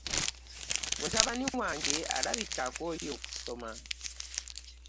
Mutabani wange alabika akooye okusoma.